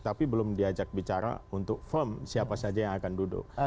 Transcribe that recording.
tapi belum diajak bicara untuk firm siapa saja yang akan duduk